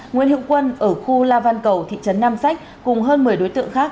nguyễn hiệu quân ở khu la văn cầu thị trấn nam sách cùng hơn một mươi đối tượng khác